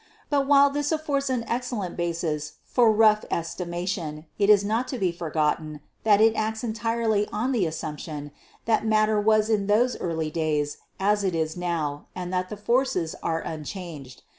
But while this affords an excellent basis for rough esti mation, it is not to be forgotten that it acts entirely on the assumption that matter was in those early days as it is now and that the forces are unchanged.